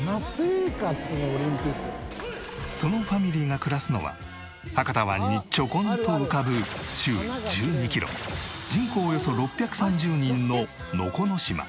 そのファミリーが暮らすのは博多湾にちょこんと浮かぶ周囲１２キロ人口およそ６３０人の能古島。